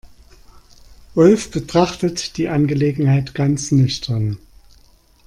Ulf betrachtet die Angelegenheit ganz nüchtern.